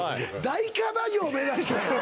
大キャバ嬢目指してのやろ？